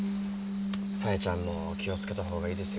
左枝ちゃんも気を付けた方がいいですよ。